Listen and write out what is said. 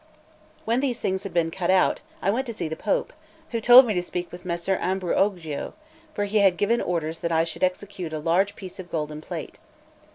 When these things had been cut out, I went to see the Pope, who told me to speak with Messer Ambruogio; for he had given orders that I should execute a large piece of golden plate.